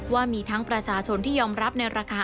ว่ามีทั้งประชาชนที่ยอมรับในราคา